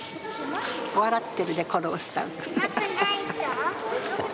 笑ってるぜ、このおっさん。